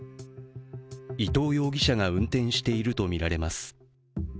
伊藤容疑者が運転しているとみられます。